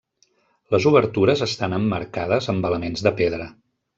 Les obertures estan emmarcades amb elements de pedra.